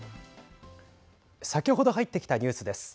先ほど入ってきたニュースです。